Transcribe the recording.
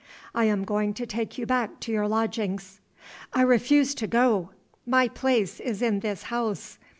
"I am going to take you back to your lodgings." "I refuse to go. My place is in this house.